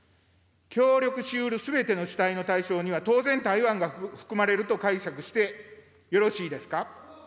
協力しうるすべての主体の対象には当然、台湾が含まれると解釈してよろしいですか。